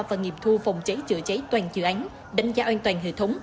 và nghiệp thu phòng cháy chữa cháy toàn dự án đánh giá an toàn hệ thống